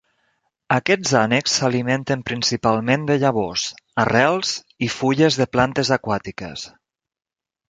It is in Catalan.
Aquests ànecs s'alimenten principalment de llavors, arrels i fulles de plantes aquàtiques.